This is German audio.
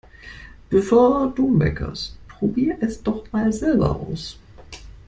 Bevor du meckerst, probier' es doch mal selber aus!